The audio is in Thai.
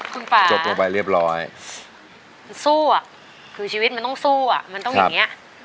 สู้อะคือชีวิตมันต้องสู้อะมันต้องอย่างเงี้ย